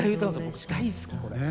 僕大好きこれ。